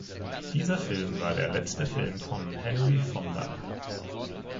Dieser Film war der letzte Film von Henry Fonda.